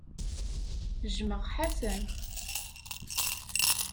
Jjmeɣ Ḥasan.